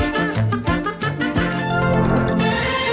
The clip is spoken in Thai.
สวัสดีค่ะ